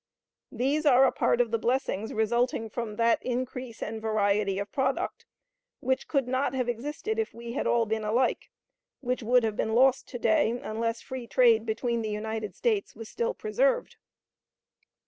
These are a part of the blessings resulting from that increase and variety of product which could not have existed if we had all been alike; which would have been lost to day unless free trade between the United States was still preserved.